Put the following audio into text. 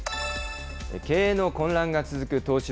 経営の混乱が続く東芝。